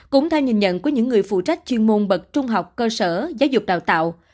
cũng theo nhìn nhận của những người phụ trách chuyên môn bậc trung học cơ sở giáo dục đào tạo